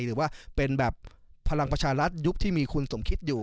หรือว่าเป็นแบบพลังประชารัฐยุคที่มีคุณสมคิดอยู่